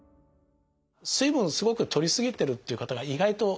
水分すごくとりすぎてるっていう方が意外と現代多いですね。